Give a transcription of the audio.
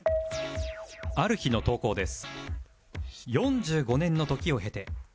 ある日の投稿です